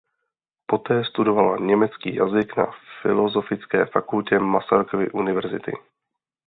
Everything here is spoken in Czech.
Poté studovala německý jazyk na Filozofické fakultě Masarykovy univerzity.